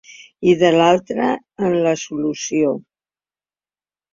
I, de l’altra, en la solució.